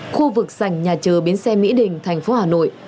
khu vực sành nhà chờ biến xe mỹ đình thành phố hà nội